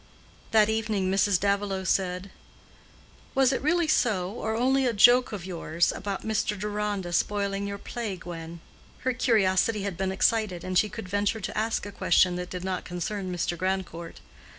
That evening Mrs. Davilow said, "Was it really so, or only a joke of yours, about Mr. Deronda's spoiling your play, Gwen?" Her curiosity had been excited, and she could venture to ask a question that did not concern Mr. Grandcourt.